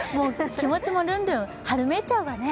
気持ちもルンルン、春めいちゃうわね。